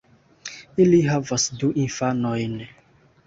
Ili havas du infanojn.